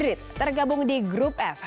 unit tergabung di grup f